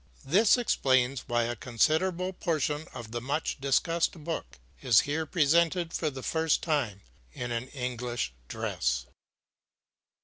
This explains why a considerable portion of the much discussed book is here presented for the first time in an English dress.